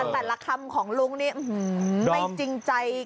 แต่ละคำของลุงนี่ไม่จริงใจ